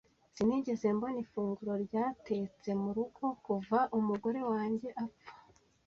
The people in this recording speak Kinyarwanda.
Sinigeze mbona ifunguro ryatetse mu rugo kuva umugore wanjye apfa.